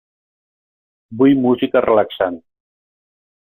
Vull música relaxant.